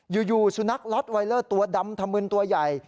อยู่สุนัขล็อตไวเลอร์ตัวดำธมึนตัวใหญ่